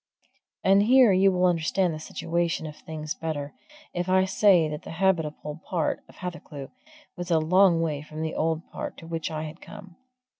And here you will understand the situation of things better, if I say that the habitable part of Hathercleugh was a long way from the old part to which I had come.